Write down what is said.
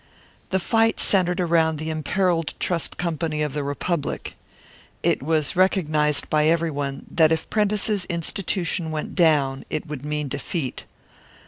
The fight centred around the imperilled Trust Company of the Republic. It was recognised by everyone that if Prentice's institution went down, it would mean defeat.